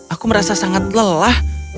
aku merasa sangat lelah